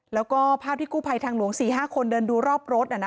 แล้วก็ภาพที่กู้ภัยทางหลวง๔๕คนเดินดูรอบรถ